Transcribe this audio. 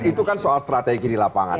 itu kan soal strategi di lapangan